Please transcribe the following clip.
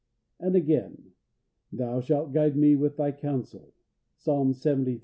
And again, "Thou shalt guide me with Thy counsel" (Psalm lxxiii. 24).